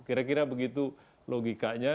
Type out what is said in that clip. kira kira begitu logikanya